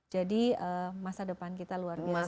jadi masa depan kita luar biasa